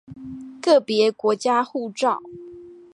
個別國家護照